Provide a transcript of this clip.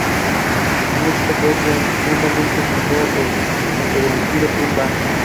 Su música fue tremendamente influyente dentro del estilo "pub-band".